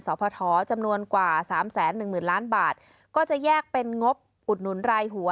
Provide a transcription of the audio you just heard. สภทจำนวนกว่า๓๑๐๐๐๐บาทก็จะแยกเป็นงบอุดหนุนรายหัว